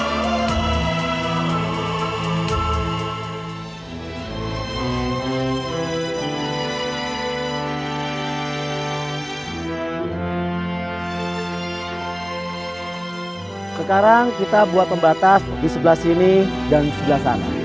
sekarang kita buat pembatas di sebelah sini dan sebelah sana